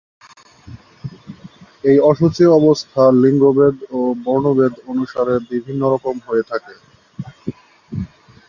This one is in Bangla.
এই অশুচি অবস্থা লিঙ্গভেদ ও বর্ণভেদ অনুসারে বিভিন্ন রকম হয়ে থাকে।